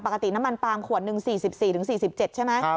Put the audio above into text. ปกติน้ำมันปลางขวด๑๔๔ถึง๔๗ใช่ไหม